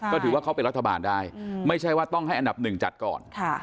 ก็ถือว่าเขาเป็นรัฐบาลได้ไม่ใช่ว่าต้องให้อันดับหนึ่งจัดก่อน